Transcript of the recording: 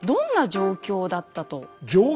状況？